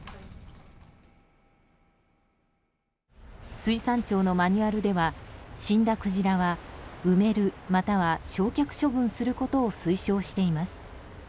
水産庁のマニュアルでは死んだクジラは埋める、または焼却処分することを推奨しています。